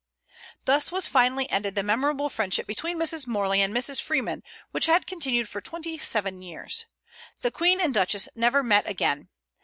Thus was finally ended the memorable friendship between Mrs. Morley and Mrs. Freeman, which had continued for twenty seven years. The Queen and Duchess never met again.